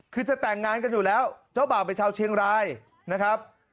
คือจะแต่งงานกันอยู่แล้วเจ้าบ่าวเป็นชาวเชียงรายนะครับ